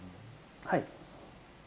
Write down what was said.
はい。